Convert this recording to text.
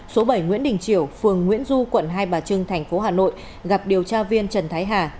số bảy nguyễn đình triểu phường nguyễn du quận hai bà trưng tp hà nội gặp điều tra viên trần thái hà